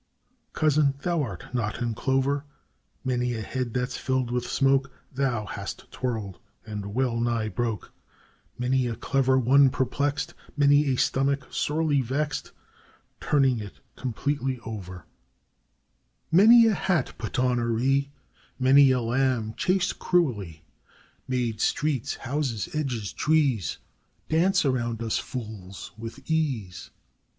Cousin, thou art not in clover; Many a head that's filled with smoke Thou hast twirled and well nigh broke, Many a clever one perplexed, Many a stomach sorely vexed, Turning it completely over; Many a hat put on awry, Many a lamb chased cruelly, Made streets, houses, edges, trees, Dance around us fools with ease.